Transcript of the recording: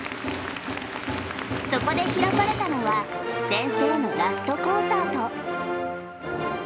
そこで開かれたのは、先生のラストコンサート。